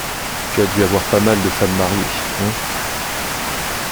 Tu as dû avoir pas mal de femmes mariées, hein ?